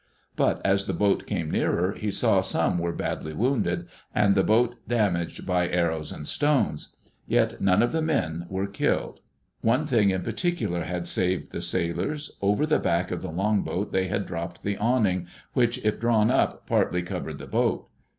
But as the boat came nearer, he saw some were badly wounded, and the boat damaged by arrows and stones. Yet none of the men were killed. One thing in particular had saved the sailors. Over the back of the longboat they had dropped the awning which, if drawn up, partly covered the boat.